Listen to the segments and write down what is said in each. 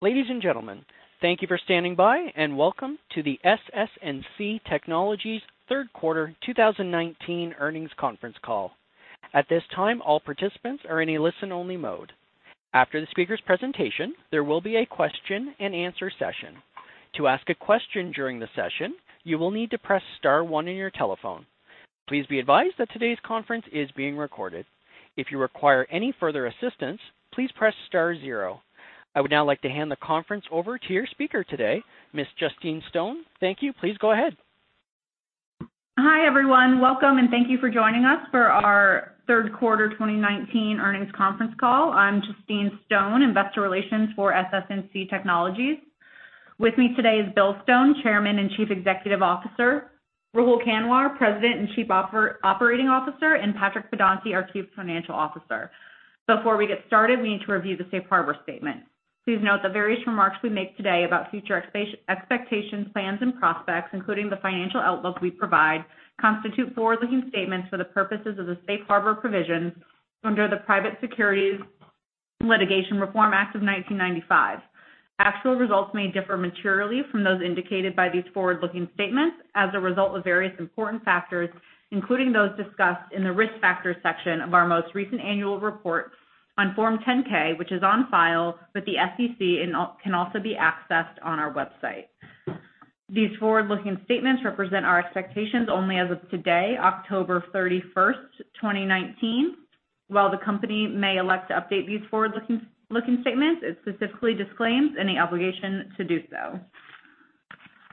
Ladies and gentlemen, thank you for standing by, and welcome to the SS&C Technologies third quarter 2019 earnings conference call. At this time, all participants are in a listen-only mode. After the speaker's presentation, there will be a question and answer session. To ask a question during the session, you will need to press star one on your telephone. Please be advised that today's conference is being recorded. If you require any further assistance, please press star zero. I would now like to hand the conference over to your speaker today, Ms. Justine Stone. Thank you. Please go ahead. Hi, everyone. Welcome, and thank you for joining us for our third quarter 2019 earnings conference call. I'm Justine Stone, investor relations for SS&C Technologies. With me today is Bill Stone, Chairman and Chief Executive Officer, Rahul Kanwar, President and Chief Operating Officer, and Patrick Pedonti, our Chief Financial Officer. Before we get started, we need to review the safe harbor statement. Please note the various remarks we make today about future expectations, plans, and prospects, including the financial outlook we provide, constitute forward-looking statements for the purposes of the safe harbor provisions under the Private Securities Litigation Reform Act of 1995. Actual results may differ materially from those indicated by these forward-looking statements as a result of various important factors, including those discussed in the risk factors section of our most recent annual report on Form 10-K, which is on file with the SEC and can also be accessed on our website. These forward-looking statements represent our expectations only as of today, October 31st, 2019. While the company may elect to update these forward-looking statements, it specifically disclaims any obligation to do so.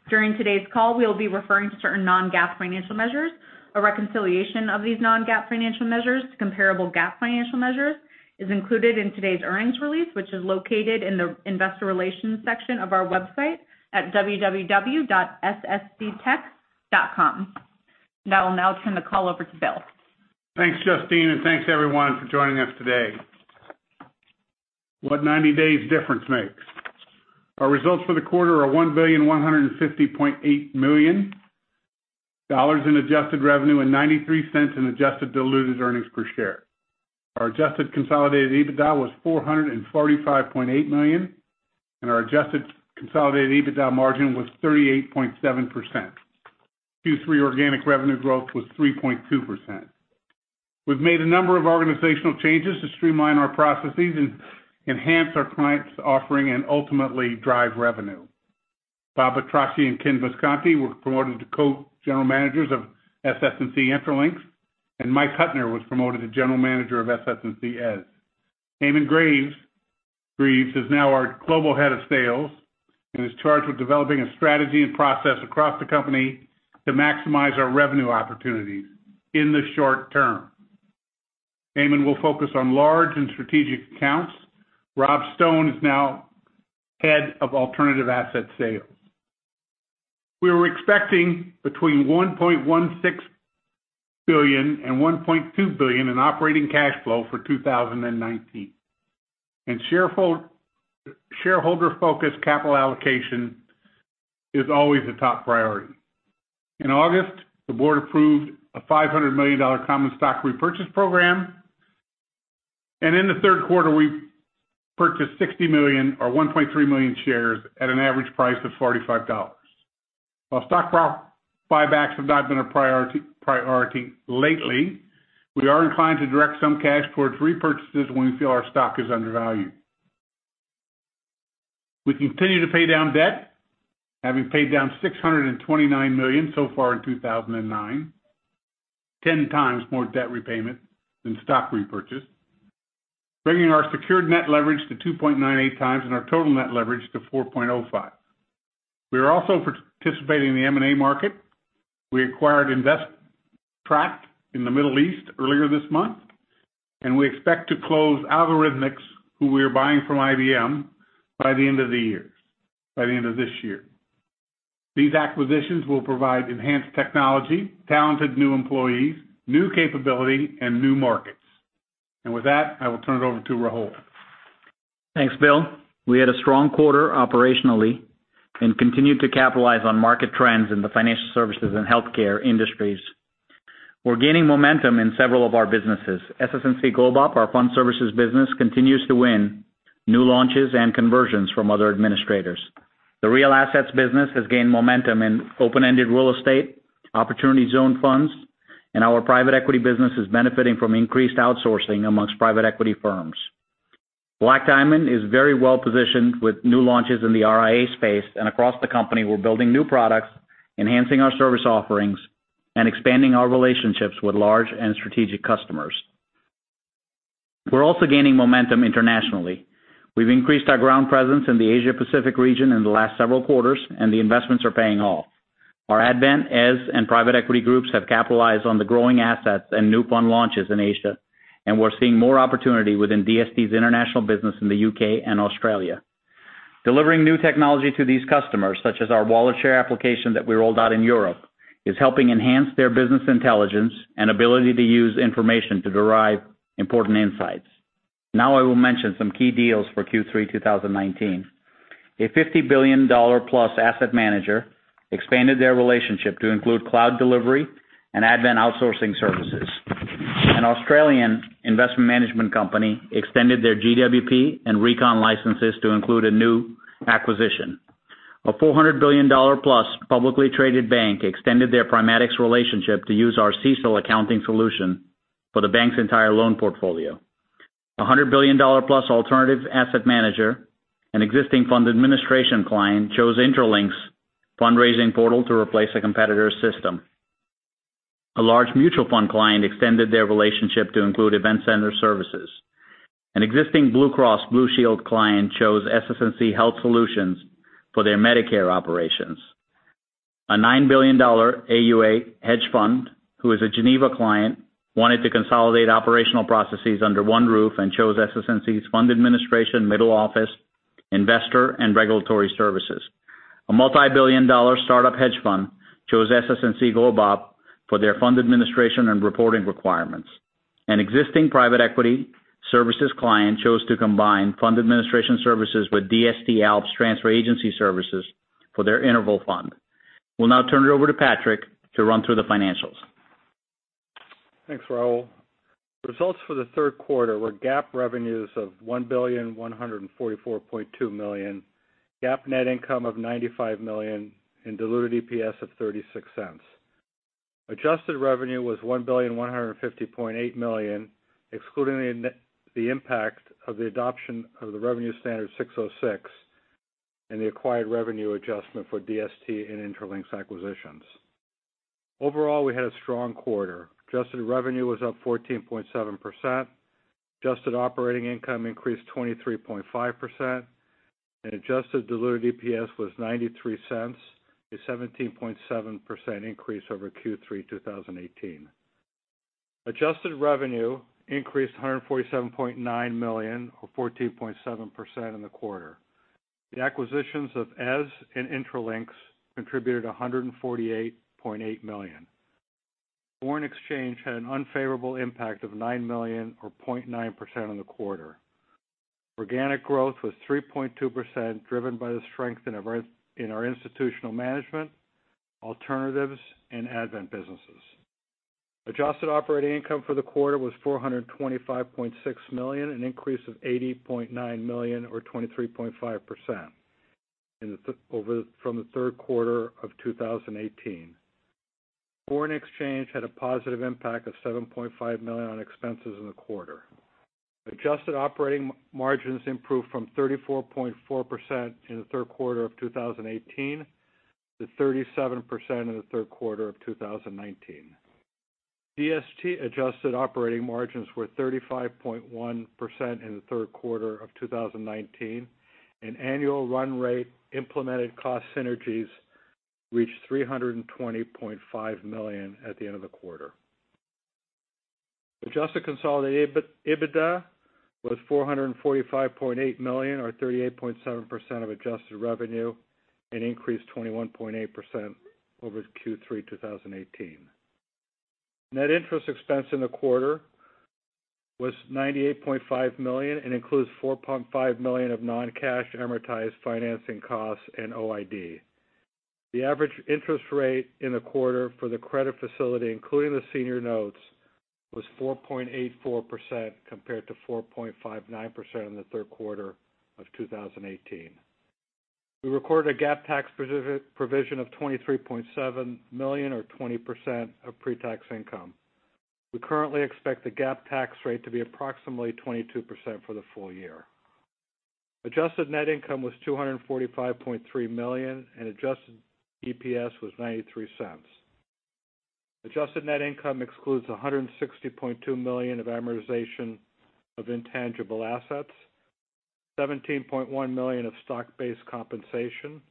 During today's call, we will be referring to certain non-GAAP financial measures. A reconciliation of these non-GAAP financial measures to comparable GAAP financial measures is included in today's earnings release, which is located in the investor relations section of our website at www.ssctech.com. I will now turn the call over to Bill. Thanks, Justine, thanks, everyone, for joining us today. What 90 days difference makes. Our results for the quarter are $1.1508 billion in adjusted revenue and $0.93 in adjusted diluted earnings per share. Our adjusted consolidated EBITDA was $445.8 million, and our adjusted consolidated EBITDA margin was 38.7%. Q3 organic revenue growth was 3.2%. We've made a number of organizational changes to streamline our processes and enhance our clients' offering, and ultimately drive revenue. Bob Attanasio and Ken Visconti were promoted to co-general managers of SS&C Intralinks, and Michael Hutner was promoted to general manager of SS&C Eze. Eamonn Greaves is now our global head of sales and is charged with developing a strategy and process across the company to maximize our revenue opportunities in the short term. Eamonn will focus on large and strategic accounts. Rob Stone is now head of alternative asset sales. We were expecting between $1.16 billion and $1.2 billion in operating cash flow for 2019, and shareholder-focused capital allocation is always a top priority. In August, the board approved a $500 million common stock repurchase program, and in the third quarter, we purchased 60 million or 1.3 million shares at an average price of $45. While stock buybacks have not been a priority lately, we are inclined to direct some cash towards repurchases when we feel our stock is undervalued. We continue to pay down debt, having paid down $629 million so far in 2009, 10 times more debt repayment than stock repurchase, bringing our secured net leverage to 2.98 times and our total net leverage to 4.05. We are also participating in the M&A market. We acquired Investrack in the Middle East earlier this month. We expect to close Algorithmics, who we are buying from IBM, by the end of this year. These acquisitions will provide enhanced technology, talented new employees, new capability, and new markets. With that, I will turn it over to Rahul. Thanks, Bill. We had a strong quarter operationally and continued to capitalize on market trends in the financial services and healthcare industries. We're gaining momentum in several of our businesses. SS&C GlobeOp, our fund services business, continues to win new launches and conversions from other administrators. The real assets business has gained momentum in open-ended real estate, opportunity zone funds, and our private equity business is benefiting from increased outsourcing amongst private equity firms. Black Diamond is very well-positioned with new launches in the RIA space, and across the company, we're building new products, enhancing our service offerings, and expanding our relationships with large and strategic customers. We're also gaining momentum internationally. We've increased our ground presence in the Asia Pacific region in the last several quarters, and the investments are paying off. Our Advent, Eze, and private equity groups have capitalized on the growing assets and new fund launches in Asia. We're seeing more opportunity within DST's international business in the U.K. and Australia. Delivering new technology to these customers, such as our SS&C WalletShare application that we rolled out in Europe, is helping enhance their business intelligence and ability to use information to derive important insights. Now, I will mention some key deals for Q3 2019. A $50 billion-plus asset manager expanded their relationship to include cloud delivery and Advent outsourcing services. An Australian investment management company extended their Global Wealth Platform and Recon licenses to include a new acquisition. A $400 billion-plus publicly traded bank extended their Primatics relationship to use our CECL accounting solution for the bank's entire loan portfolio. A $100 billion-plus alternative asset manager, an existing fund administration client, chose Intralinks fundraising portal to replace a competitor's system. A large mutual fund client extended their relationship to include event center services. An existing Blue Cross Blue Shield client chose SS&C Health Solutions for their Medicare operations. A $9 billion AUA hedge fund, who is a Geneva client, wanted to consolidate operational processes under one roof and chose SS&C's Fund Administration Middle Office, Investor and Regulatory Services. A multi-billion dollar startup hedge fund chose SS&C GlobeOp for their fund administration and reporting requirements. An existing private equity services client chose to combine fund administration services with DST ALPS Transfer Agency services for their interval fund. Will now turn it over to Patrick to run through the financials. Thanks, Rahul. Results for the third quarter were GAAP revenues of $1,144.2 million, GAAP net income of $95 million, and diluted EPS of $0.36. Adjusted revenue was $1,150.8 million, excluding the impact of the adoption of the revenue standard ASC 606 and the acquired revenue adjustment for DST and Intralinks acquisitions. Overall, we had a strong quarter. Adjusted revenue was up 14.7%, adjusted operating income increased 23.5%, and adjusted diluted EPS was $0.93, a 17.7% increase over Q3 2018. Adjusted revenue increased to $147.9 million or 14.7% in the quarter. The acquisitions of Eze and Intralinks contributed $148.8 million. Foreign exchange had an unfavorable impact of $9 million or 0.9% in the quarter. Organic growth was 3.2%, driven by the strength in our institutional management, alternatives, and Advent businesses. Adjusted operating income for the quarter was $425.6 million, an increase of $80.9 million or 23.5% from the third quarter of 2018. Foreign exchange had a positive impact of $7.5 million on expenses in the quarter. Adjusted operating margins improved from 34.4% in the third quarter of 2018 to 37% in the third quarter of 2019. DST adjusted operating margins were 35.1% in the third quarter of 2019, and annual run rate implemented cost synergies reached $320.5 million at the end of the quarter. Adjusted consolidated EBITDA was $445.8 million or 38.7% of adjusted revenue and increased 21.8% over Q3 2018. Net interest expense in the quarter was $98.5 million and includes $4.5 million of non-cash amortized financing costs and OID. The average interest rate in the quarter for the credit facility, including the senior notes, was 4.84% compared to 4.59% in the third quarter of 2018. We recorded a GAAP tax provision of $23.7 million or 20% of pre-tax income. We currently expect the GAAP tax rate to be approximately 22% for the full year. Adjusted net income was $245.3 million, and adjusted EPS was $0.93. Adjusted net income excludes $160.2 million of amortization of intangible assets, $17.1 million of stock-based compensation,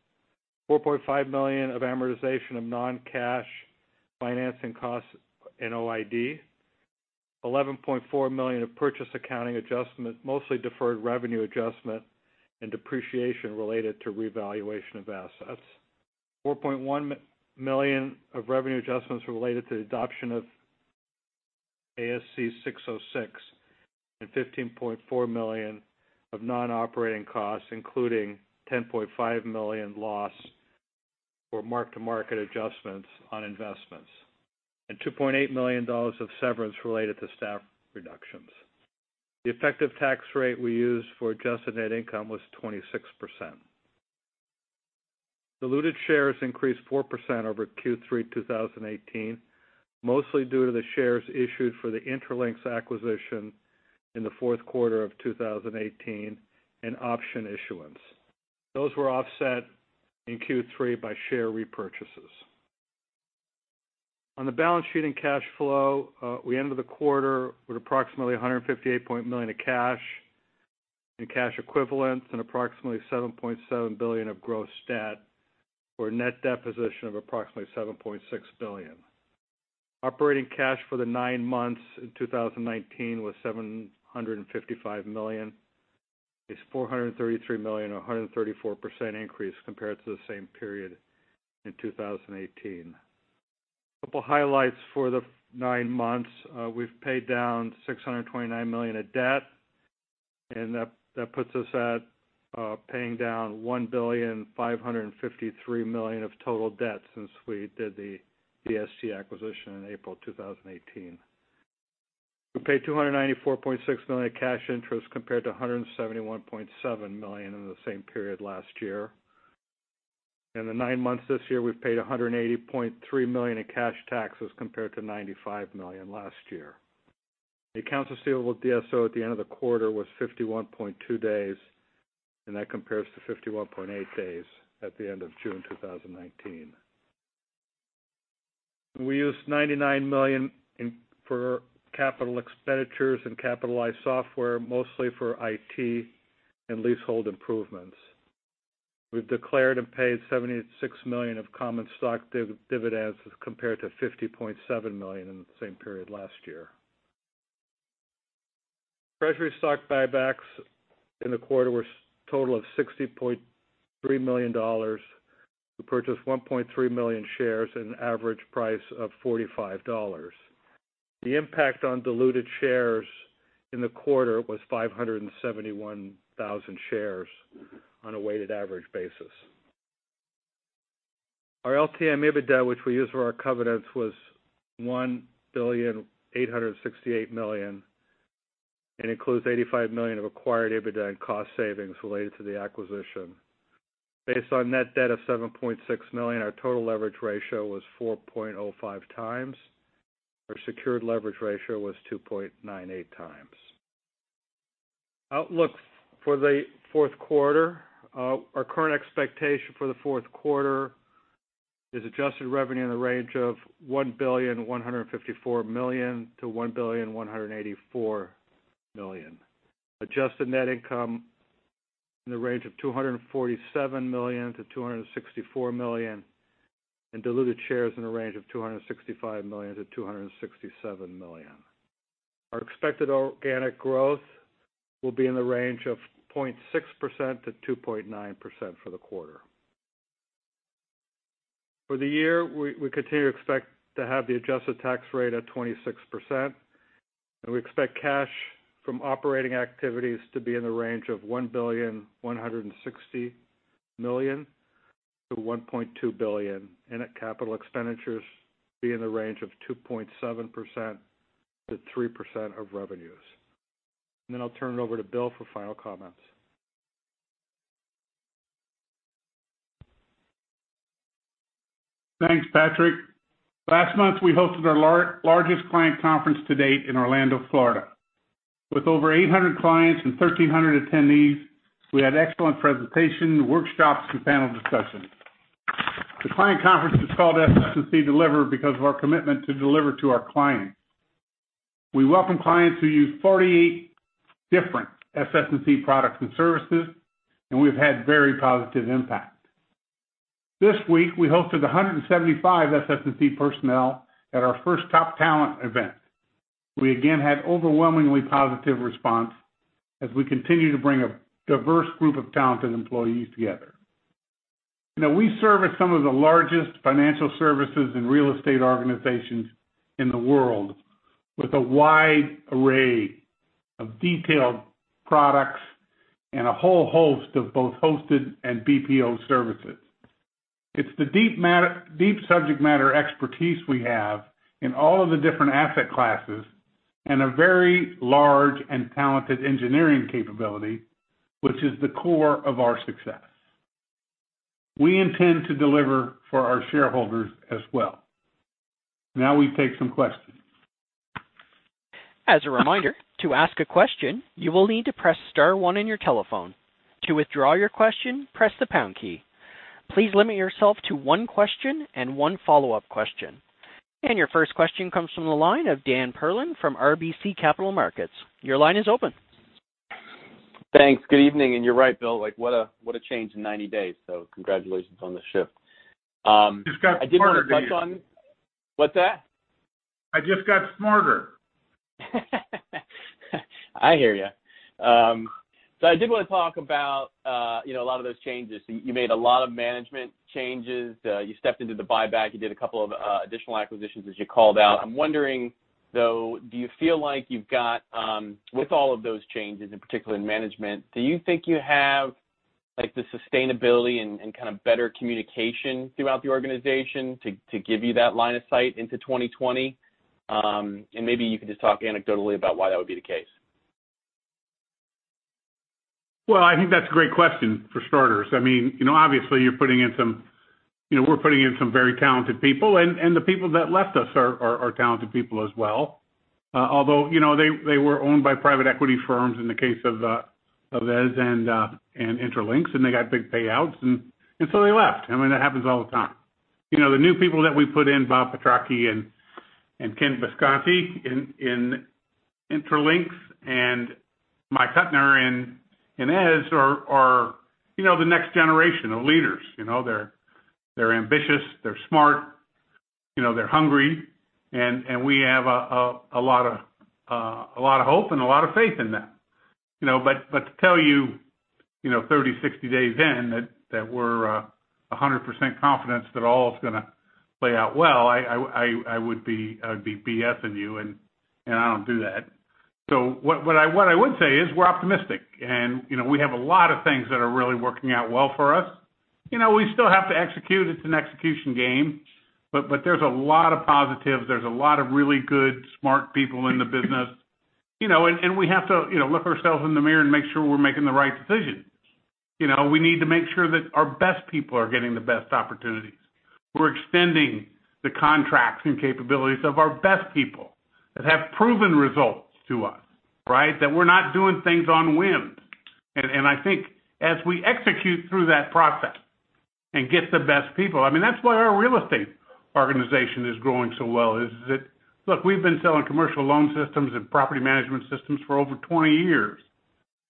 $4.5 million of amortization of non-cash financing costs in OID, $11.4 million of purchase accounting adjustment, mostly deferred revenue adjustment and depreciation related to revaluation of assets, $4.1 million of revenue adjustments related to the adoption of ASC 606, and $15.4 million of non-operating costs, including $10.5 million loss for mark-to-market adjustments on investments, and $2.8 million of severance related to staff reductions. The effective tax rate we used for adjusted net income was 26%. Diluted shares increased 4% over Q3 2018, mostly due to the shares issued for the Intralinks acquisition in the fourth quarter of 2018 and option issuance. Those were offset in Q3 by share repurchases. On the balance sheet and cash flow, we ended the quarter with approximately $158 million of cash and cash equivalents and approximately $7.7 billion of gross debt, for a net debt position of approximately $7.6 billion. Operating cash for the nine months in 2019 was $755 million. It's $433 million, or 134% increase compared to the same period in 2018. Couple highlights for the nine months. We've paid down $629 million of debt. That puts us at paying down $1.553 billion of total debt since we did the DST acquisition in April 2018. We paid $294.6 million of cash interest compared to $171.7 million in the same period last year. In the nine months this year, we've paid $180.3 million in cash taxes compared to $95 million last year. The accounts receivable DSO at the end of the quarter was 51.2 days, that compares to 51.8 days at the end of June 2019. We used $99 million for capital expenditures and capitalized software, mostly for IT and leasehold improvements. We've declared and paid $76 million of common stock dividends as compared to $50.7 million in the same period last year. Treasury stock buybacks in the quarter was a total of $60.3 million. We purchased 1.3 million shares at an average price of $45. The impact on diluted shares in the quarter was 571,000 shares on a weighted average basis. Our LTM EBITDA, which we use for our covenants, was $1.868 billion and includes $85 million of acquired EBITDA and cost savings related to the acquisition. Based on net debt of $7.6 million, our total leverage ratio was 4.05 times. Our secured leverage ratio was 2.98 times. Outlook for the fourth quarter. Our current expectation for the fourth quarter is adjusted revenue in the range of $1.154 billion-$1.184 billion. Adjusted net income in the range of $247 million-$264 million. Diluted shares in the range of 265 million-267 million. Our expected organic growth will be in the range of 0.6%-2.9% for the quarter. For the year, we continue to expect to have the adjusted tax rate at 26%. We expect cash from operating activities to be in the range of $1.160 billion-$1.2 billion. That capital expenditures be in the range of 2.7%-3% of revenues. Then I'll turn it over to Bill for final comments. Thanks, Patrick. Last month, we hosted our largest client conference to date in Orlando, Florida. With over 800 clients and 1,300 attendees, we had excellent presentations, workshops, and panel discussions. The client conference was called SS&C Deliver because of our commitment to deliver to our clients. We welcome clients who use 48 different SS&C products and services, and we've had very positive impact. This week, we hosted 175 SS&C personnel at our first top talent event. We again had overwhelmingly positive response as we continue to bring a diverse group of talented employees together. We service some of the largest financial services and real estate organizations in the world with a wide array of detailed products and a whole host of both hosted and BPO services. It's the deep subject matter expertise we have in all of the different asset classes and a very large and talented engineering capability, which is the core of our success. We intend to deliver for our shareholders as well. Now we take some questions. As a reminder, to ask a question, you will need to press star one on your telephone. To withdraw your question, press the pound key. Please limit yourself to one question and one follow-up question. Your first question comes from the line of Daniel Perlin from RBC Capital Markets. Your line is open. Thanks. Good evening. You're right, Bill, like what a change in 90 days. Congratulations on the shift. I just got smarter here. What's that? I just got smarter. I hear you. I did want to talk about a lot of those changes. You made a lot of management changes. You stepped into the buyback. You did a couple of additional acquisitions as you called out. I'm wondering, though, do you feel like, with all of those changes, in particular in management, do you think you have the sustainability and kind of better communication throughout the organization to give you that line of sight into 2020? Maybe you could just talk anecdotally about why that would be the case. I think that's a great question, for starters. Obviously, we're putting in some very talented people, and the people that left us are talented people as well. They were owned by private equity firms in the case of Eze and Intralinks, and they got big payouts, and so they left. That happens all the time. The new people that we put in, Bob Attanasio and Ken Visconti in Intralinks, and Mike Hutner in Eze are the next generation of leaders. They're ambitious, they're smart, they're hungry, and we have a lot of hope and a lot of faith in them. To tell you 30, 60 days in that we're 100% confident that all is going to play out well, I would be BS-ing you, and I don't do that. What I would say is we're optimistic, and we have a lot of things that are really working out well for us. We still have to execute. It's an execution game, but there's a lot of positives. There's a lot of really good, smart people in the business. We have to look ourselves in the mirror and make sure we're making the right decisions. We need to make sure that our best people are getting the best opportunities. We're extending the contracts and capabilities of our best people that have proven results to us, right? That we're not doing things on whims. I think as we execute through that process and get the best people. That's why our real estate organization is growing so well is that, look, we've been selling commercial loan systems and property management systems for over 20 years.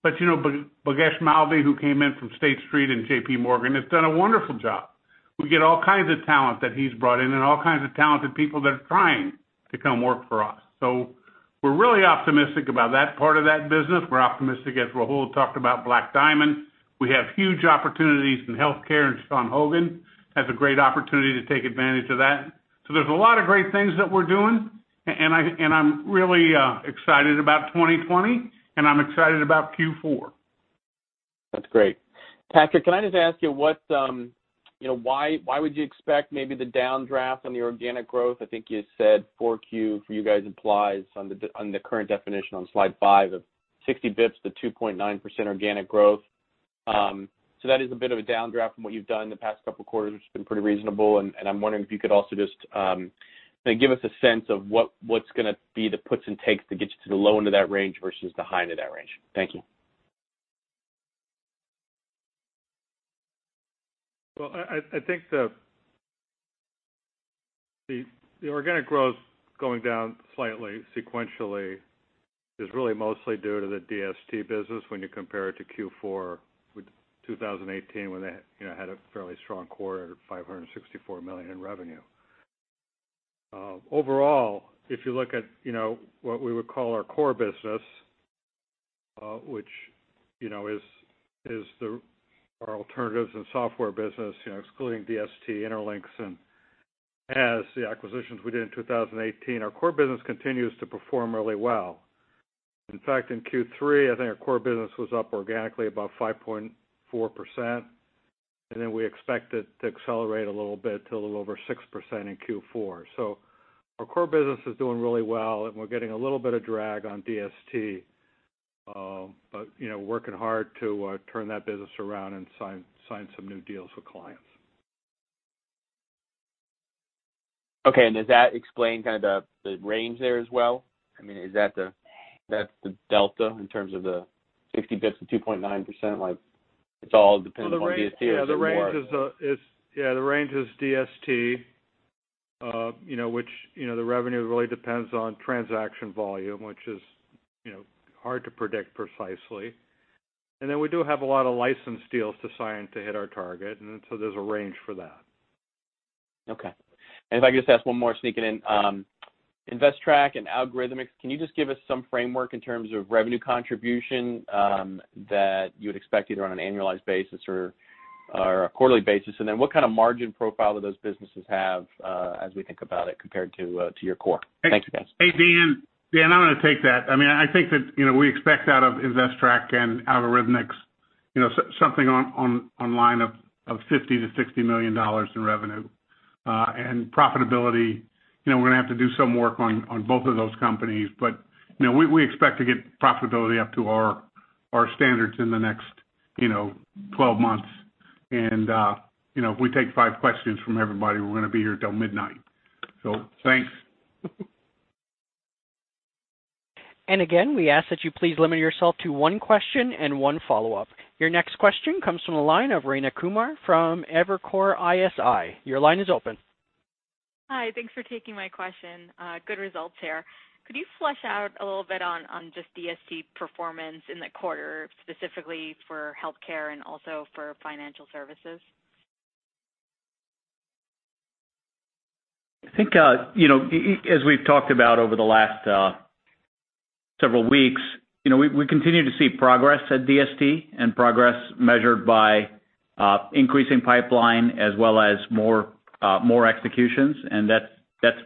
Bhagesh Malde, who came in from State Street and JP Morgan, has done a wonderful job. We get all kinds of talent that he's brought in and all kinds of talented people that are trying to come work for us. We're really optimistic about that part of that business. We're optimistic as Rahul talked about Black Diamond. We have huge opportunities in healthcare, and Sean Hogan has a great opportunity to take advantage of that. There's a lot of great things that we're doing, and I'm really excited about 2020, and I'm excited about Q4. That's great. Patrick, can I just ask you why would you expect maybe the downdraft on the organic growth? I think you said 4Q for you guys implies on the current definition on slide five of 60 basis points to 2.9% organic growth. That is a bit of a downdraft from what you've done the past couple of quarters, which has been pretty reasonable, and I'm wondering if you could also just give us a sense of what's going to be the puts and takes to get you to the low end of that range versus the high end of that range. Thank you. Well, I think the organic growth going down slightly sequentially is really mostly due to the DST business when you compare it to Q4 with 2018, when they had a fairly strong quarter at $564 million in revenue. Overall, if you look at what we would call our core business, which is our alternatives and software business, excluding DST, Intralinks, and as the acquisitions we did in 2018, our core business continues to perform really well. In fact, in Q3, I think our core business was up organically about 5.4%, and then we expect it to accelerate a little bit to a little over 6% in Q4. Our core business is doing really well, and we're getting a little bit of drag on DST. But working hard to turn that business around and sign some new deals with clients. Okay, does that explain the range there as well? Is that the delta in terms of the 60 basis points to 2.9%? It all depends upon DST or is there more? Yeah, the range is DST, which the revenue really depends on transaction volume, which is hard to predict precisely. We do have a lot of license deals to sign to hit our target. There's a range for that. Okay. If I could just ask one more, sneaking in. Investrack and Algorithmics, can you just give us some framework in terms of revenue contribution that you would expect either on an annualized basis or a quarterly basis? What kind of margin profile do those businesses have as we think about it compared to your core? Thank you, guys. Hey, Dan. Dan, I'm going to take that. I think that we expect out of Investrack and Algorithmics something online of $50 million-$60 million in revenue. Profitability, we're going to have to do some work on both of those companies, but we expect to get profitability up to our standards in the next 12 months. If we take five questions from everybody, we're going to be here till midnight. Thanks. Again, we ask that you please limit yourself to one question and one follow-up. Your next question comes from the line of Rayna Kumar from Evercore ISI. Your line is open. Hi. Thanks for taking my question. Good results here. Could you flesh out a little bit on just DST performance in the quarter, specifically for healthcare and also for financial services? I think as we've talked about over the last several weeks, we continue to see progress at DST. Progress measured by increasing pipeline as well as more executions.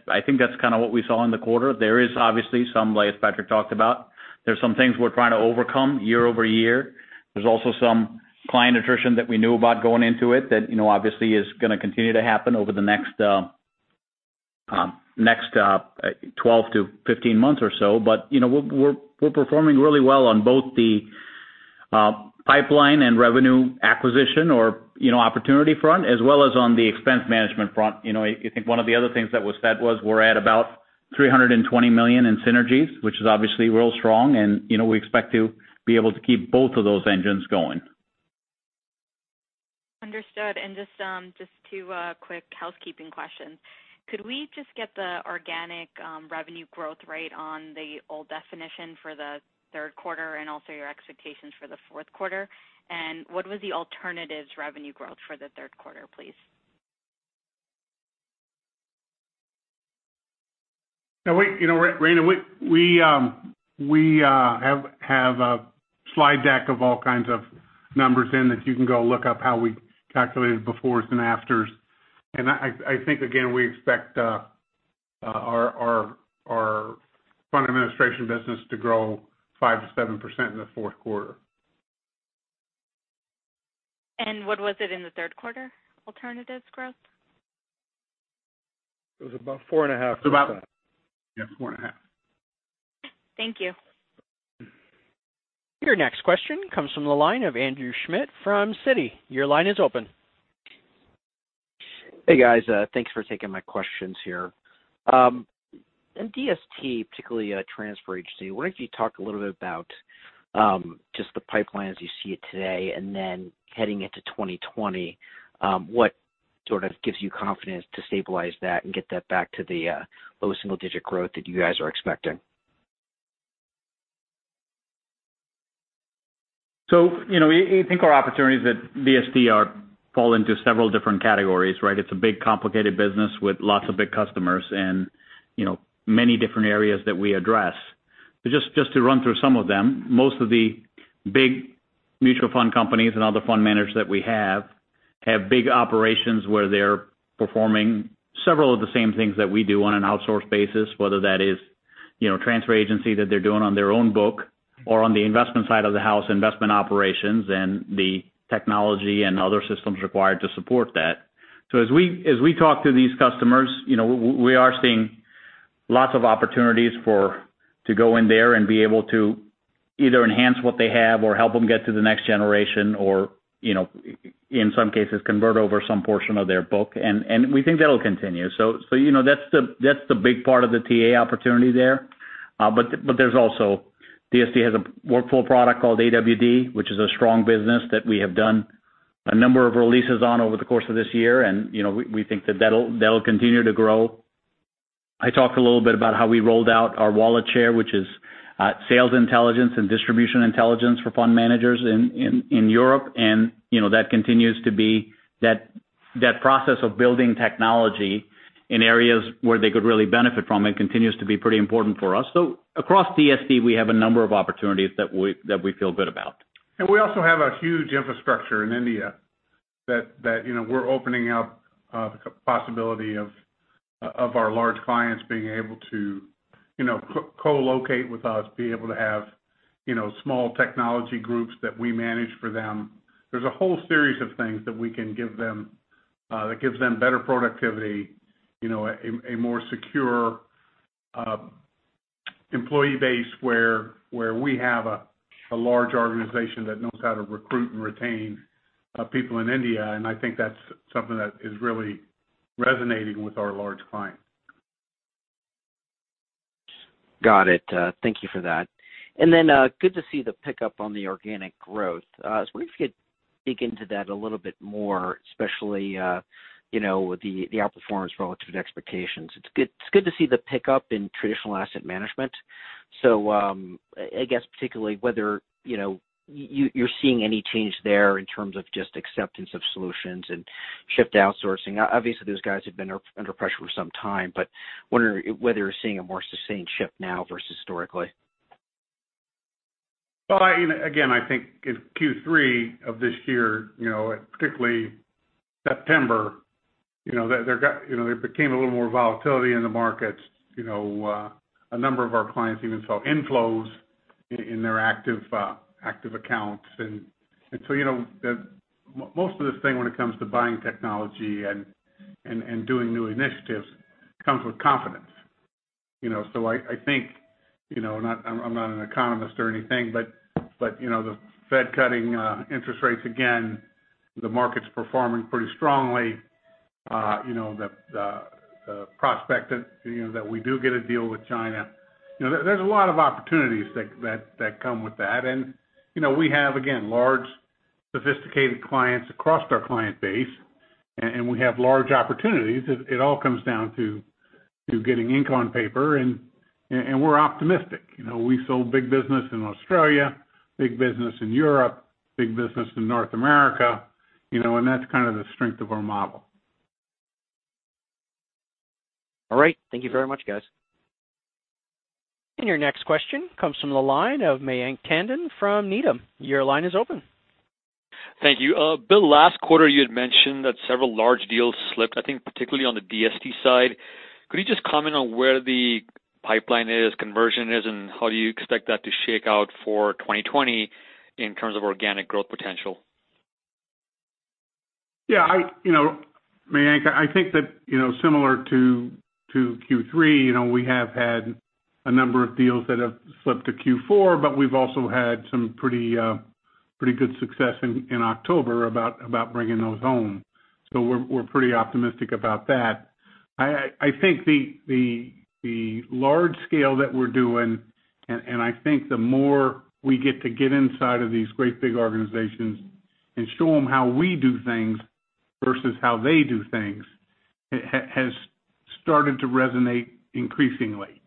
I think that's what we saw in the quarter. There is obviously, as Patrick talked about, there's some things we're trying to overcome year-over-year. There's also some client attrition that we knew about going into it that obviously is going to continue to happen over the next 12 to 15 months or so. We're performing really well on both the pipeline and revenue acquisition or opportunity front, as well as on the expense management front. I think one of the other things that was said was we're at about $320 million in synergies, which is obviously real strong. We expect to be able to keep both of those engines going. Understood. Just two quick housekeeping questions. Could we just get the organic revenue growth rate on the old definition for the third quarter and also your expectations for the fourth quarter? What was the alternatives revenue growth for the third quarter, please? Now wait, Rayna, we have a slide deck of all kinds of numbers in that you can go look up how we calculated befores and afters. I think, again, we expect our fund administration business to grow 5%-7% in the fourth quarter. What was it in the third quarter, alternatives growth? It was about 4.5%. It was about, yeah, 4.5. Thank you. Your next question comes from the line of Andrew Schmidt from Citi. Your line is open. Hey, guys. Thanks for taking my questions here. In DST, particularly transfer agency, what if you talk a little bit about just the pipeline as you see it today, then heading into 2020, what sort of gives you confidence to stabilize that and get that back to the low single-digit growth that you guys are expecting? We think our opportunities at DST fall into several different categories, right? It's a big, complicated business with lots of big customers and many different areas that we address. Just to run through some of them, most of the big mutual fund companies and other fund managers that we have big operations where they're performing several of the same things that we do on an outsource basis, whether that is transfer agency that they're doing on their own book or on the investment side of the house, investment operations, and the technology and other systems required to support that. As we talk to these customers, we are seeing lots of opportunities to go in there and be able to either enhance what they have or help them get to the next generation or, in some cases, convert over some portion of their book, and we think that'll continue. That's the big part of the TA opportunity there. There's also, DST has a workflow product called AWD, which is a strong business that we have done a number of releases on over the course of this year, and we think that that'll continue to grow. I talked a little bit about how we rolled out our WalletShare, which is sales intelligence and distribution intelligence for fund managers in Europe, and that continues to be that process of building technology in areas where they could really benefit from. It continues to be pretty important for us. Across DST, we have a number of opportunities that we feel good about. We also have a huge infrastructure in India that we're opening up the possibility of our large clients being able to co-locate with us, be able to have small technology groups that we manage for them. There's a whole series of things that we can give them that gives them better productivity, a more secure employee base where we have a large organization that knows how to recruit and retain people in India. I think that's something that is really resonating with our large clients. Got it. Thank you for that. Good to see the pickup on the organic growth. I was wondering if you could dig into that a little bit more, especially the outperformance relative to expectations. It's good to see the pickup in traditional asset management. I guess particularly whether you're seeing any change there in terms of just acceptance of solutions and shift outsourcing. Obviously, those guys have been under pressure for some time, but wondering whether you're seeing a more sustained shift now versus historically. Again, I think in Q3 of this year, particularly September, there became a little more volatility in the markets. A number of our clients even saw inflows in their active accounts. Most of this thing when it comes to buying technology and doing new initiatives, comes with confidence. I think, I'm not an economist or anything, but the Fed cutting interest rates again, the market's performing pretty strongly. The prospect that we do get a deal with China. There's a lot of opportunities that come with that. We have, again, large, sophisticated clients across our client base, and we have large opportunities. It all comes down to getting ink on paper, and we're optimistic. We sold big business in Australia, big business in Europe, big business in North America, and that's kind of the strength of our model. All right. Thank you very much, guys. Your next question comes from the line of Mayank Tandon from Needham. Your line is open. Thank you. Bill, last quarter you had mentioned that several large deals slipped, I think particularly on the DST side. Could you just comment on where the pipeline is, conversion is, and how do you expect that to shake out for 2020 in terms of organic growth potential? Yeah. Mayank, I think that similar to Q3, we have had a number of deals that have slipped to Q4, but we've also had some pretty good success in October about bringing those home. We're pretty optimistic about that. I think the large scale that we're doing, and I think the more we get to get inside of these great big organizations and show them how we do things versus how they do things, has started to resonate increasingly.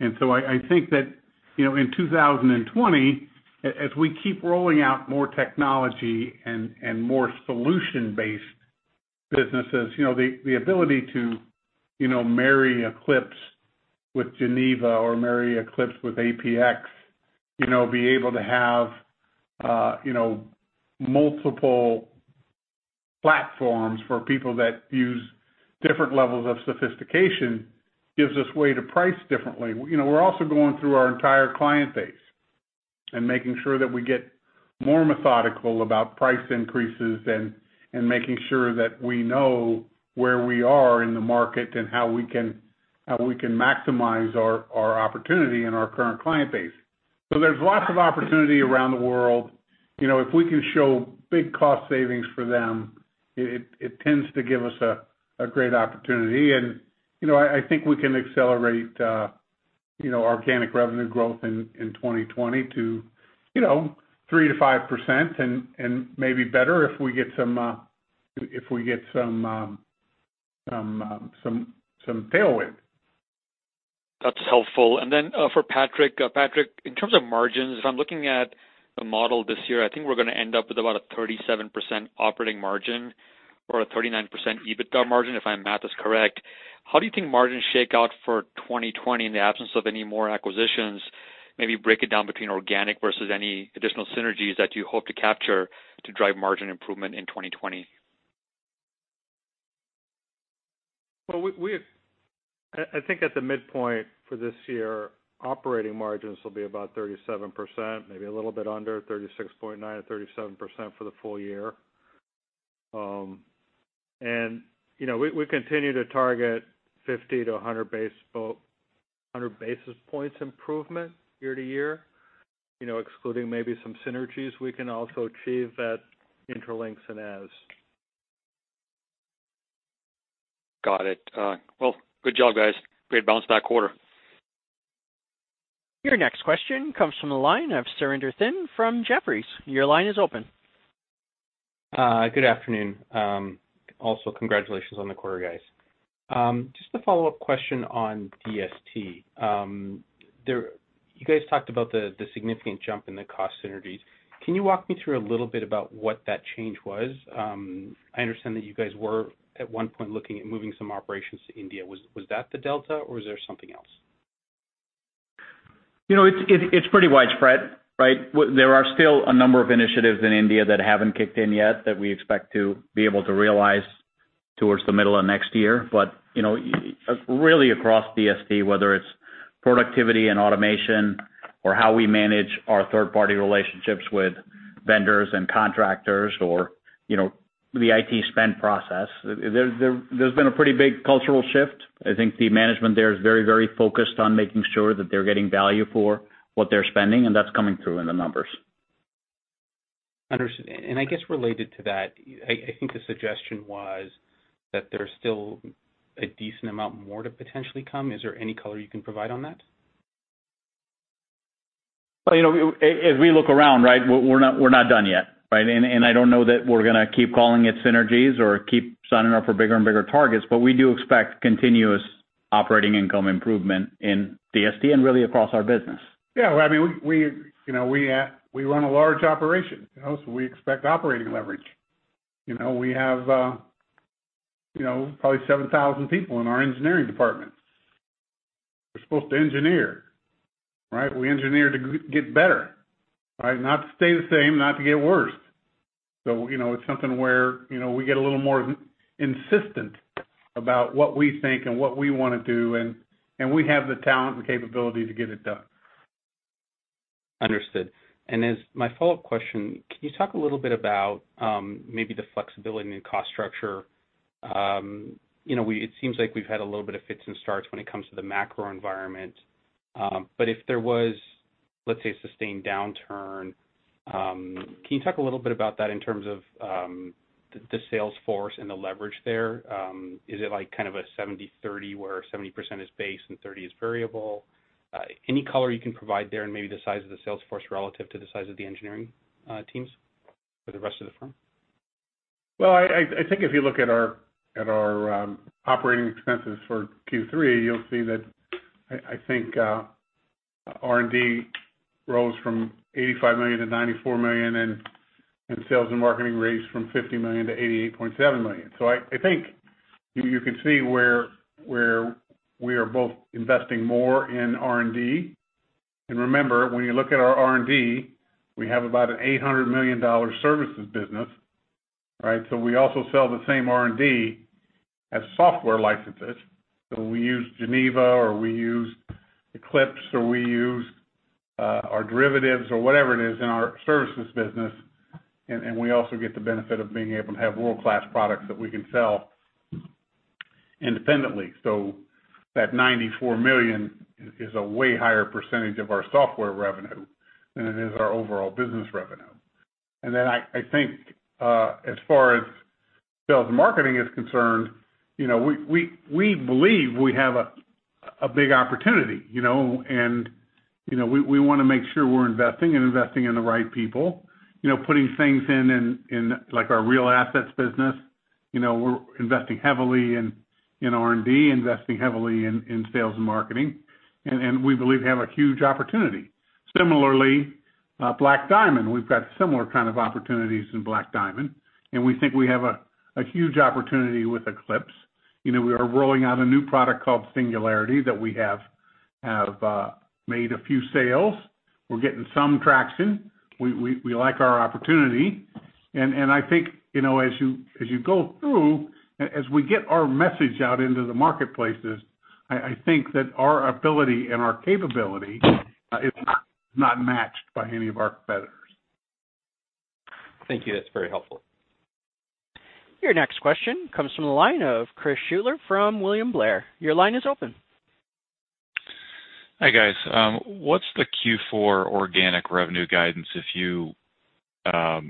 I think that in 2020, as we keep rolling out more technology and more solution-based businesses, the ability to marry Eclipse with Geneva or marry Eclipse with APX, be able to have multiple platforms for people that use different levels of sophistication gives us way to price differently. We're also going through our entire client base and making sure that we get more methodical about price increases and making sure that we know where we are in the market and how we can maximize our opportunity and our current client base. There's lots of opportunity around the world. If we can show big cost savings for them, it tends to give us a great opportunity. I think we can accelerate organic revenue growth in 2020 to 3% to 5%, and maybe better if we get some tailwind. That's helpful. And then for Patrick. Patrick, in terms of margins, if I'm looking at the model this year, I think we're going to end up with about a 37% operating margin or a 39% EBITDA margin, if my math is correct. How do you think margins shake out for 2020 in the absence of any more acquisitions? Maybe break it down between organic versus any additional synergies that you hope to capture to drive margin improvement in 2020. Well, I think at the midpoint for this year, operating margins will be about 37%, maybe a little bit under, 36.9 or 37% for the full year. We continue to target 50 to 100 basis points improvement year to year, excluding maybe some synergies we can also achieve at Intralinks and Eze. Got it. Well, good job, guys. Great bounce back quarter. Your next question comes from the line of Surinder Thind from Jefferies. Your line is open. Good afternoon. Congratulations on the quarter, guys. A follow-up question on DST. You guys talked about the significant jump in the cost synergies. Can you walk me through a little bit about what that change was? I understand that you guys were at one point looking at moving some operations to India. Was that the delta or was there something else? It's pretty widespread, right? There are still a number of initiatives in India that haven't kicked in yet that we expect to be able to realize towards the middle of next year. Really across DST, whether it's productivity and automation or how we manage our third-party relationships with vendors and contractors or the IT spend process, there's been a pretty big cultural shift. I think the management there is very focused on making sure that they're getting value for what they're spending, and that's coming through in the numbers. Understood. I guess related to that, I think the suggestion was that there's still a decent amount more to potentially come. Is there any color you can provide on that? As we look around, we're not done yet. I don't know that we're going to keep calling it synergies or keep signing up for bigger and bigger targets, but we do expect continuous operating income improvement in DST and really across our business. Yeah, we run a large operation. We expect operating leverage. We have probably 7,000 people in our engineering department. We're supposed to engineer, right? We engineer to get better. Not to stay the same, not to get worse. It's something where we get a little more insistent about what we think and what we want to do, and we have the talent and capability to get it done. Understood. As my follow-up question, can you talk a little bit about maybe the flexibility in the cost structure? It seems like we've had a little bit of fits and starts when it comes to the macro environment. If there was, let's say, a sustained downturn, can you talk a little bit about that in terms of the sales force and the leverage there? Is it like a 70/30 where 70% is base and 30 is variable? Any color you can provide there and maybe the size of the sales force relative to the size of the engineering teams for the rest of the firm? I think if you look at our operating expenses for Q3, you'll see that I think R&D rose from $85 million to $94 million, and sales and marketing raised from $50 million to $88.7 million. I think you can see where we are both investing more in R&D. Remember, when you look at our R&D, we have about an $800 million services business. We also sell the same R&D as software licenses. We use Geneva or we use Eclipse, or we use our derivatives or whatever it is in our services business, and we also get the benefit of being able to have world-class products that we can sell independently. That $94 million is a way higher percentage of our software revenue than it is our overall business revenue. I think, as far as sales and marketing is concerned, we believe we have a big opportunity. We want to make sure we're investing and investing in the right people, putting things in our real assets business. We're investing heavily in R&D, investing heavily in sales and marketing. We believe we have a huge opportunity. Similarly, we've got similar kind of opportunities in Black Diamond, and we think we have a huge opportunity with Eclipse. We are rolling out a new product called Singularity that we have made a few sales. We're getting some traction. We like our opportunity. I think, as you go through, as we get our message out into the marketplaces, I think that our ability and our capability is not matched by any of our competitors. Thank you. That's very helpful. Your next question comes from the line of Chris Shutler from William Blair. Your line is open. Hi, guys. What's the Q4 organic revenue guidance, I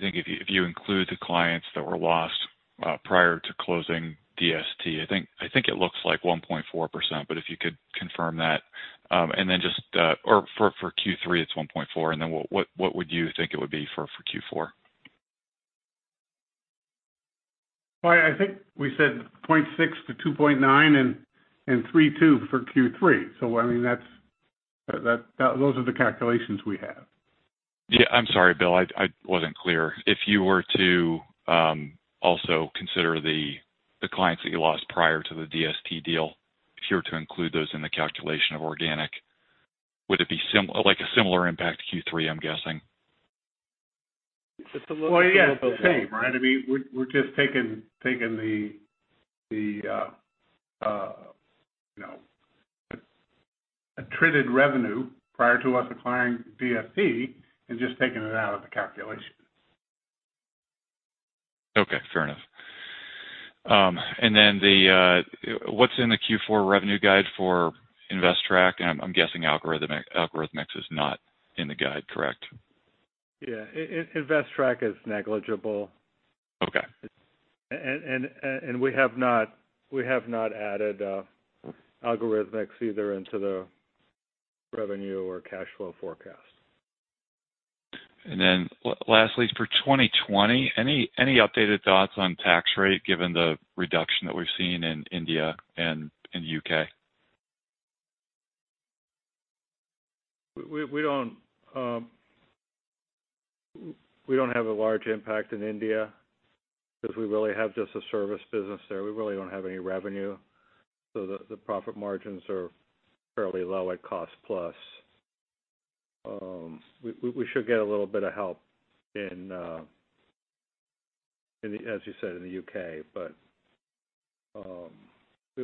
think if you include the clients that were lost prior to closing DST? I think it looks like 1.4%, but if you could confirm that. For Q3, it's 1.4%, and then what would you think it would be for Q4? I think we said 0.6 to 2.9 and 3.2 for Q3. Those are the calculations we have. Yeah. I'm sorry, Bill, I wasn't clear. If you were to also consider the clients that you lost prior to the DST deal, if you were to include those in the calculation of organic, would it be a similar impact to Q3, I'm guessing? Just a little- Well, yeah, the same, right? We're just taking the attributed revenue prior to us acquiring DST and just taking it out of the calculation. Okay, fair enough. Then, what's in the Q4 revenue guide for Investrack? I'm guessing Algorithmics is not in the guide, correct? Yeah. Investrack is negligible. Okay. We have not added Algorithmics either into the revenue or cash flow forecast. Lastly, for 2020, any updated thoughts on tax rate given the reduction that we've seen in India and U.K.? We don't have a large impact in India because we really have just a service business there. We really don't have any revenue, so the profit margins are fairly low at cost plus. We should get a little bit of help in, as you said, in the U.K., but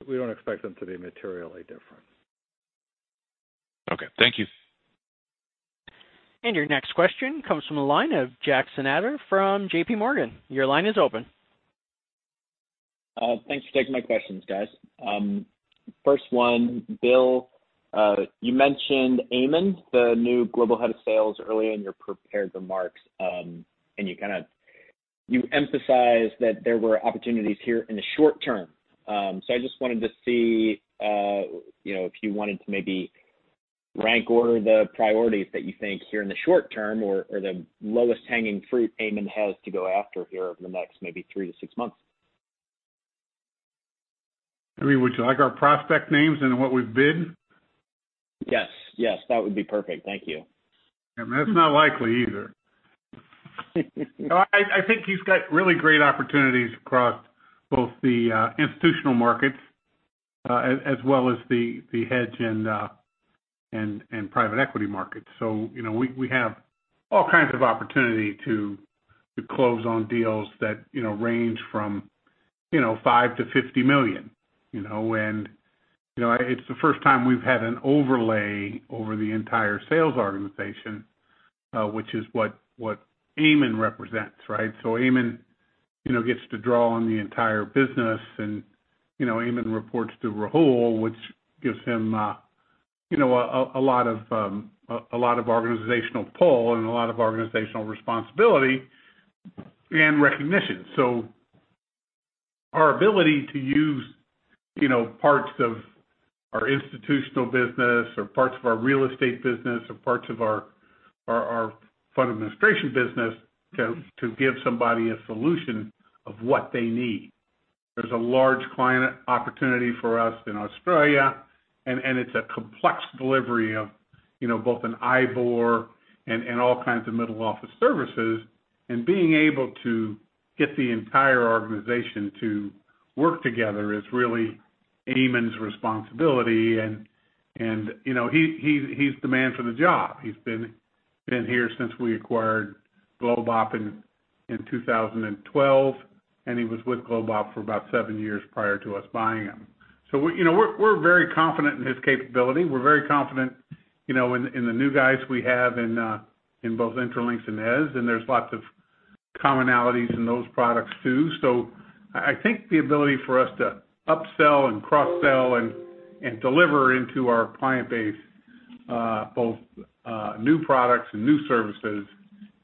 we don't expect them to be materially different. Okay. Thank you. Your next question comes from the line of Jackson Ader from JP Morgan. Your line is open. Thanks for taking my questions, guys. First one, Bill, you mentioned Eamonn, the new Global Head of Sales early in your prepared remarks. You emphasized that there were opportunities here in the short term. I just wanted to see if you wanted to maybe rank order the priorities that you think here in the short term or the lowest hanging fruit Eamonn has to go after here over the next maybe three to six months. Would you like our prospect names and what we've bid? Yes. That would be perfect. Thank you. That's not likely either. I think he's got really great opportunities across both the institutional markets as well as the hedge and private equity markets. We have all kinds of opportunity to close on deals that range from $5 million-$50 million. It's the first time we've had an overlay over the entire sales organization, which is what Eamonn represents, right? Eamonn gets to draw on the entire business, and Eamonn reports to Rahul, which gives him a lot of organizational pull and a lot of organizational responsibility and recognition. Our ability to use parts of our institutional business or parts of our real estate business or parts of our fund administration business to give somebody a solution of what they need. There's a large client opportunity for us in Australia, and it's a complex delivery of both an IBOR and all kinds of middle-office services. Being able to get the entire organization to work together is really Eamonn's responsibility. He's the man for the job. He's been here since we acquired GlobeOp in 2012, and he was with GlobeOp for about seven years prior to us buying him. We're very confident in his capability. We're very confident in the new guys we have in both Intralinks and Eze, and there's lots of commonalities in those products, too. I think the ability for us to upsell and cross-sell and deliver into our client base both new products and new services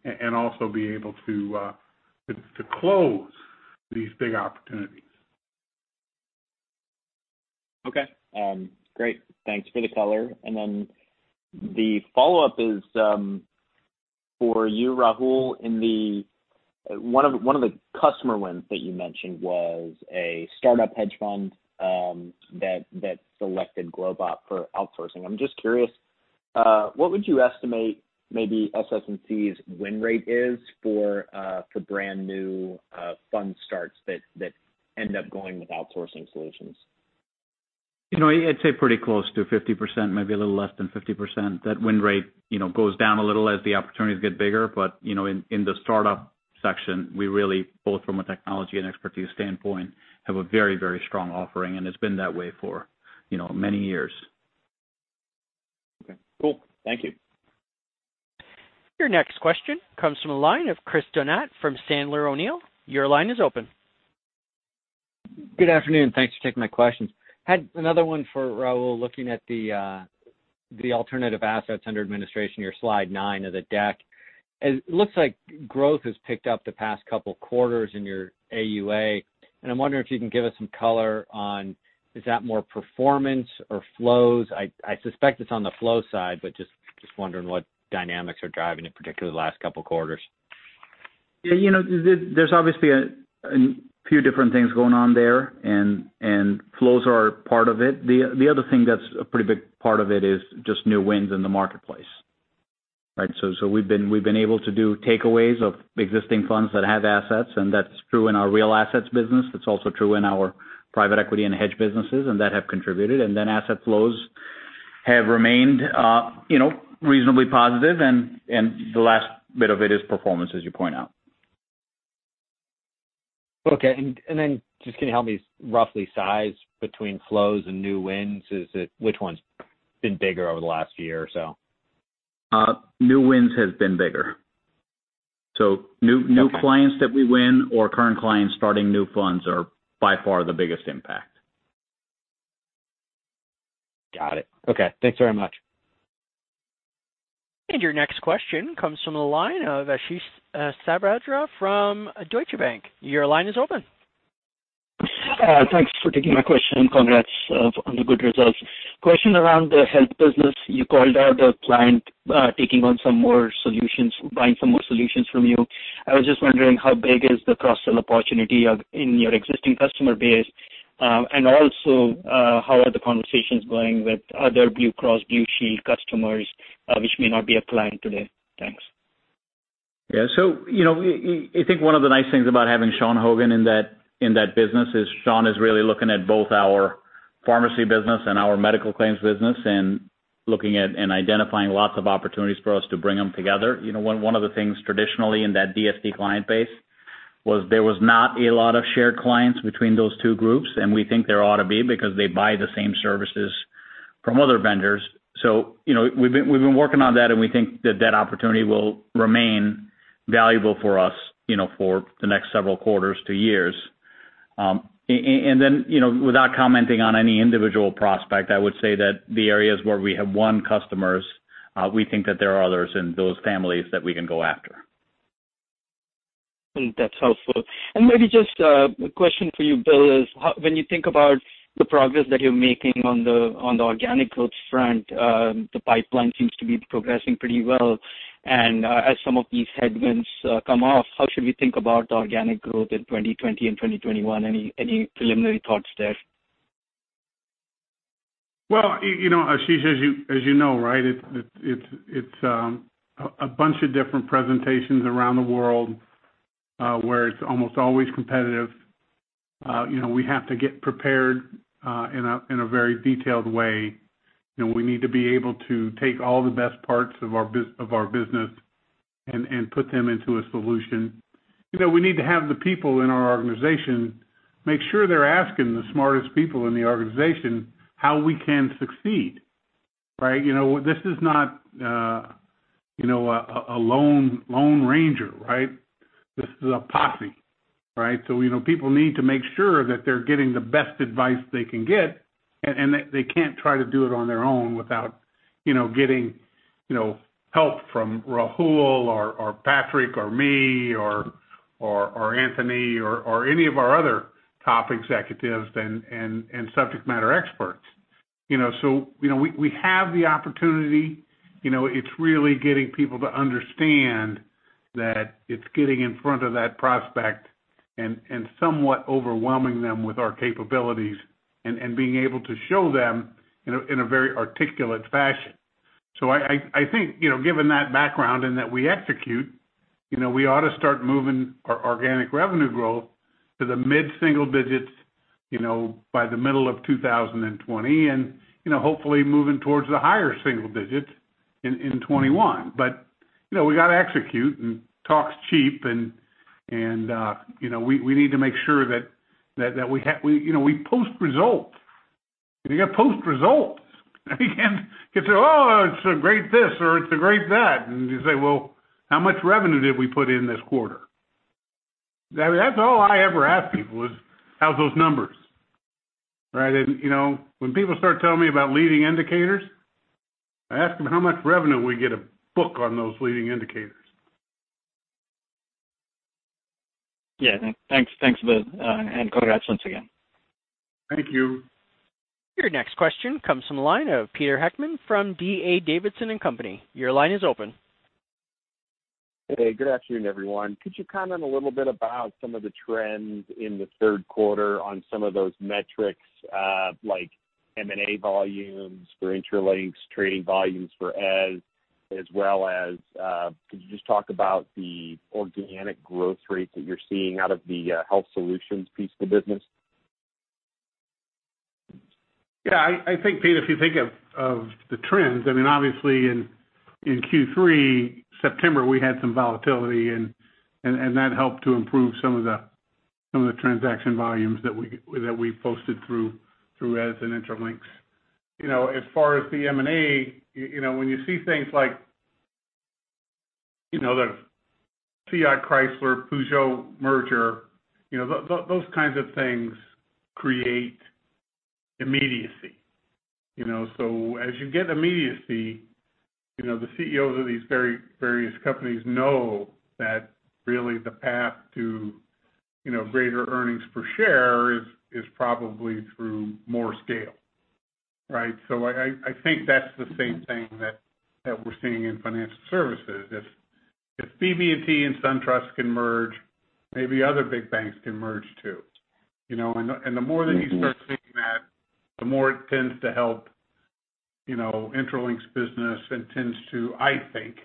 and also be able to close these big opportunities. Okay. Great. Thanks for the color. For you, Rahul, one of the customer wins that you mentioned was a startup hedge fund that selected GlobeOp for outsourcing. I'm just curious, what would you estimate maybe SS&C's win rate is for brand-new fund starts that end up going with outsourcing solutions? I'd say pretty close to 50%, maybe a little less than 50%. That win rate goes down a little as the opportunities get bigger. In the startup section, we really, both from a technology and expertise standpoint, have a very strong offering, and it's been that way for many years. Okay, cool. Thank you. Your next question comes from the line of Chris Donat from Sandler O'Neill. Your line is open. Good afternoon, thanks for taking my questions. Had another one for Rahul. Looking at the alternative assets under administration, your Slide nine of the deck. It looks like growth has picked up the past couple quarters in your AUA, and I'm wondering if you can give us some color on, is that more performance or flows? I suspect it's on the flow side, but just wondering what dynamics are driving it, particularly the last couple of quarters. Yeah. There's obviously a few different things going on there, and flows are part of it. The other thing that's a pretty big part of it is just new wins in the marketplace, right? We've been able to do takeaways of existing funds that have assets, and that's true in our Real Assets business. It's also true in our private equity and hedge businesses, and that have contributed. Asset flows have remained reasonably positive. The last bit of it is performance, as you point out. Okay. Just can you help me roughly size between flows and new wins? Which one's been bigger over the last year or so? New wins has been bigger. Okay new clients that we win or current clients starting new funds are by far the biggest impact. Got it. Okay. Thanks very much. Your next question comes from the line of Ashish Sabadra from Deutsche Bank. Your line is open. Thanks for taking my question and congrats on the good results. Question around the health business. You called out a client taking on some more solutions, buying some more solutions from you. I was just wondering how big is the cross-sell opportunity in your existing customer base. Also, how are the conversations going with other Blue Cross Blue Shield customers, which may not be a client today? Thanks. Yeah. I think one of the nice things about having Sean Hogan in that business is Sean is really looking at both our pharmacy business and our medical claims business, and looking at and identifying lots of opportunities for us to bring them together. One of the things traditionally in that DST client base was there was not a lot of shared clients between those two groups, we think there ought to be because they buy the same services from other vendors. We've been working on that, we think that opportunity will remain valuable for us for the next several quarters to years. Without commenting on any individual prospect, I would say that the areas where we have won customers, we think that there are others in those families that we can go after. That's helpful. Maybe just a question for you, Bill, is when you think about the progress that you're making on the organic growth front, the pipeline seems to be progressing pretty well. As some of these headwinds come off, how should we think about organic growth in 2020 and 2021? Any preliminary thoughts there? Well, Ashish, as you know, right, it's a bunch of different presentations around the world, where it's almost always competitive. We have to get prepared in a very detailed way, and we need to be able to take all the best parts of our business and put them into a solution. We need to have the people in our organization make sure they're asking the smartest people in the organization how we can succeed. Right? This is not a lone ranger, right? This is a posse. Right? People need to make sure that they're getting the best advice they can get, and they can't try to do it on their own without getting help from Rahul or Patrick or me or Anthony or any of our other top executives and subject matter experts. We have the opportunity. It's really getting people to understand that it's getting in front of that prospect and somewhat overwhelming them with our capabilities and being able to show them in a very articulate fashion. I think, given that background and that we execute, we ought to start moving our organic revenue growth to the mid-single digits by the middle of 2020, and hopefully moving towards the higher single digits in 2021. We got to execute, and talk's cheap, and we need to make sure that we post results. You got to post results. You can't say, "Oh, it's a great this," or, "It's a great that." You say, "Well, how much revenue did we put in this quarter?" That's all I ever ask people is, "How's those numbers?" Right? When people start telling me about leading indicators, I ask them how much revenue we get a book on those leading indicators. Yeah. Thanks, Bill. Congrats once again. Thank you. Your next question comes from the line of Peter Heckmann from D.A. Davidson & Co.. Your line is open. Hey, good afternoon, everyone. Could you comment a little bit about some of the trends in the third quarter on some of those metrics, like M&A volumes for Intralinks, trading volumes for Eze, as well as, could you just talk about the organic growth rate that you're seeing out of the health solutions piece of the business? Yeah. I think, Peter, if you think of the trends, obviously in Q3, September, we had some volatility, and that helped to improve some of the transaction volumes that we posted through as an Intralinks. As far as the M&A, when you see things like the Fiat-Chrysler-Peugeot merger, those kinds of things create immediacy. As you get immediacy, the CEOs of these various companies know that really the path to greater earnings per share is probably through more scale. Right? I think that's the same thing that we're seeing in financial services. If BB&T and SunTrust can merge, maybe other big banks can merge too. The more that you start seeing that, the more it tends to help Intralinks' business and tends to, I think,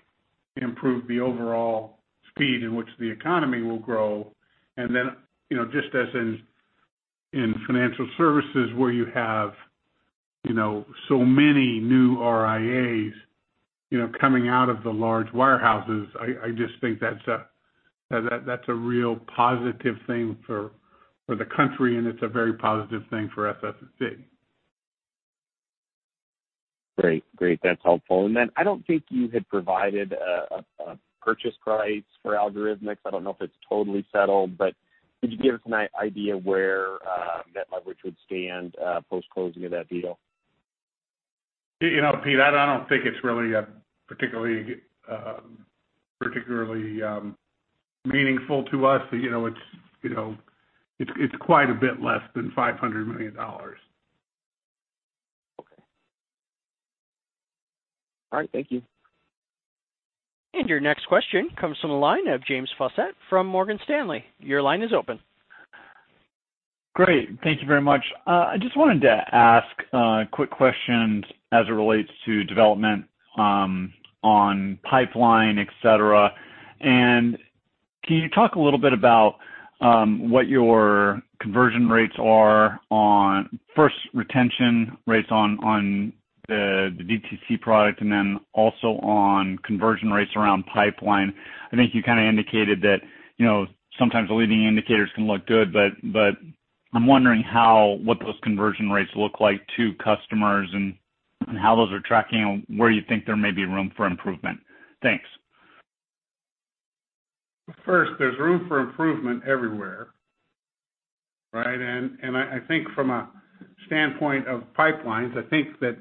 improve the overall speed in which the economy will grow. Just as in financial services where you have so many new RIAs coming out of the large wirehouses, I just think that's a real positive thing for the country, and it's a very positive thing for SS&C. Great. That's helpful. I don't think you had provided a purchase price for Algorithmics. I don't know if it's totally settled, but could you give us an idea where net leverage would stand post-closing of that deal? Peter, I don't think it's really particularly meaningful to us. It's quite a bit less than $500 million. Okay. All right. Thank you. Your next question comes from the line of James Faucette from Morgan Stanley. Your line is open. Great. Thank you very much. I just wanted to ask quick questions as it relates to development on pipeline, et cetera. Can you talk a little bit about what your conversion rates are on, first, retention rates on the DTC product, and then also on conversion rates around pipeline? I think you kind of indicated that sometimes the leading indicators can look good, but I'm wondering what those conversion rates look like to customers and how those are tracking and where you think there may be room for improvement. Thanks. First, there's room for improvement everywhere. Right? I think from a standpoint of pipelines, I think that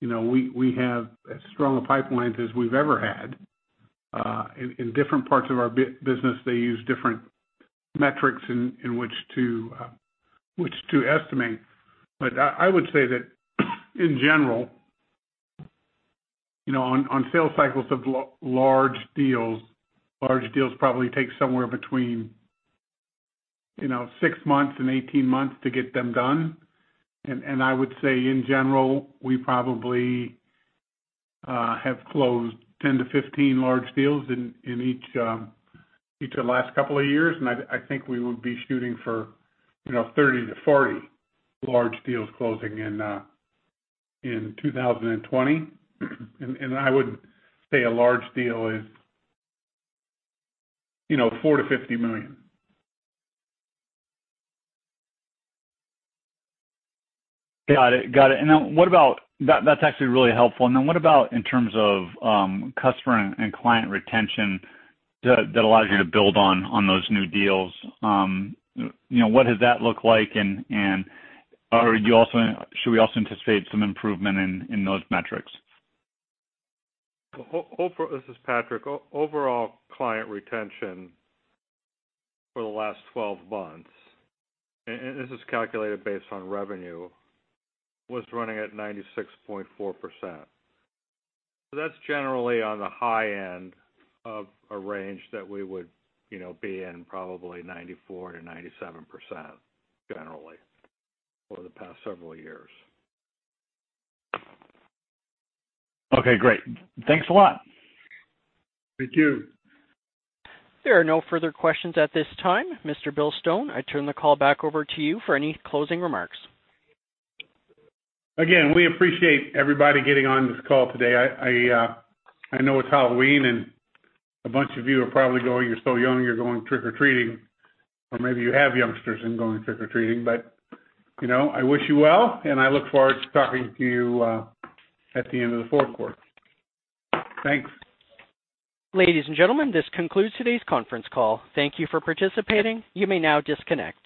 we have as strong a pipeline as we've ever had. In different parts of our business, they use different metrics in which to estimate. I would say that in general, on sales cycles of large deals, large deals probably take somewhere between six months and 18 months to get them done. I would say, in general, we probably have closed 10 to 15 large deals in each of the last couple of years, and I think we would be shooting for 30 to 40 large deals closing in 2020. I would say a large deal is $4 million to $50 million. Got it. That's actually really helpful. What about in terms of customer and client retention that allows you to build on those new deals? What does that look like? Should we also anticipate some improvement in those metrics? This is Patrick. Overall client retention for the last 12 months, and this is calculated based on revenue, was running at 96.4%. That's generally on the high end of a range that we would be in, probably 94%-97%, generally, for the past several years. Okay, great. Thanks a lot. Thank you. There are no further questions at this time. Mr. Bill Stone, I turn the call back over to you for any closing remarks. Again, we appreciate everybody getting on this call today. I know it's Halloween, and a bunch of you are probably going, you're so young, you're going trick-or-treating, or maybe you have youngsters and going trick-or-treating. I wish you well, and I look forward to talking to you at the end of the fourth quarter. Thanks. Ladies and gentlemen, this concludes today's conference call. Thank you for participating. You may now disconnect.